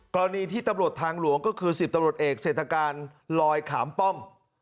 กรณีที่ตำรวจทางหลวงก็คือ๑๐ตำรวจเอกเศรษฐการลอยขามป้อม